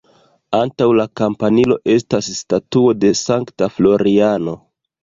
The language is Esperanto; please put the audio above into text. Antaŭ la kampanilo estas statuo de Sankta Floriano.